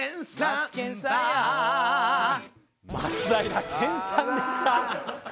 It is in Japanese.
松平健さんでした。